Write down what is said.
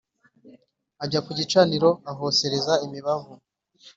ajya ku gicaniro ahosereza imibavu